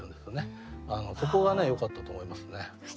そこがよかったと思いますね。